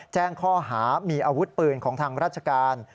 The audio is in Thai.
แจ้งข้อหามีอาวุธปืนของทางราชการ